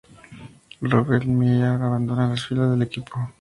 Robert Millar abandona las filas del equipo.